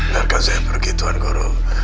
maka saya pergi tuan guru